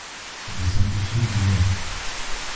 Descends tout de suite du mur.